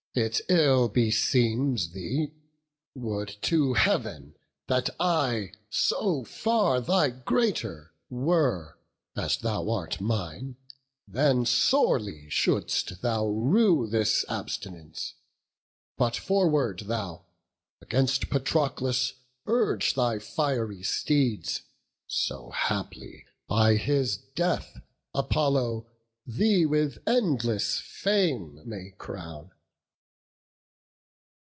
It ill beseems thee! Would to Heav'n that I So far thy greater were, as thou art mine; Then sorely shouldst thou rue this abstinence. But, forward thou! against Patroclus urge Thy fiery steeds, so haply by his death Apollo thee with endless fame may crown."